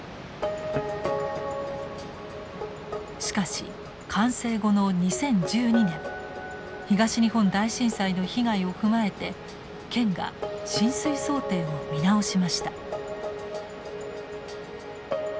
しかし完成後の２０１２年東日本大震災の被害を踏まえて県が浸水想定を見直しました。